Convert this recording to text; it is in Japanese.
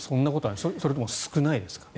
それとも少ないですか？